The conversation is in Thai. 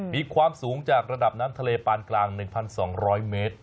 มีความสูงจากระดับน้ำทะเลปานกลาง๑๒๐๐เมตร